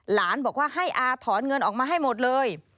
หลานบอกว่าให้อาถอนเงินออกมาให้หมดเลย